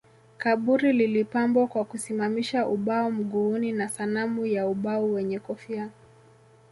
Kaburi lilipambwa kwa kusimamisha ubao mguuni na sanamu ya ubao wenye kofia